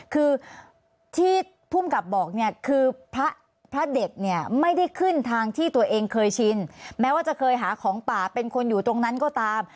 คือที่ภูมิกับบอกเนี่ยคือพระเด็ดเนี่ยไม่ได้ขึ้นทางที่ตัวเองเคยชินแม้ว่าจะเคยหาของป่าเป็นคนอยู่ตรงนั้นก็ตาม